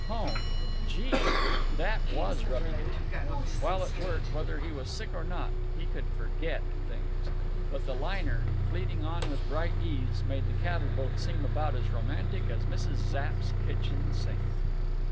Home! Gee! That was rubbing it in! While at work, whether he was sick or not, he could forget—things. But the liner, fleeting on with bright ease, made the cattle boat seem about as romantic as Mrs. Zapp's kitchen sink.